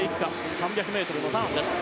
３００ｍのターンです。